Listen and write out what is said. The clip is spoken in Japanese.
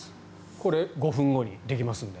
これ、５分後にできますので。